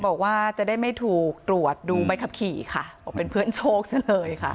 บอกว่าจะได้ไม่ถูกตรวจดูใบขับขี่ค่ะบอกเป็นเพื่อนโชคซะเลยค่ะ